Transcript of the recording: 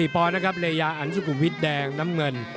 ๑๑๔ปอนด์นะครับระยะอันสุกุวิทย์แดงน้ำเงิน